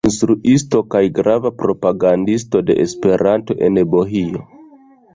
Instruisto kaj grava propagandisto de Esperanto en Bahio.